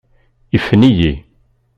Ifen-iyi.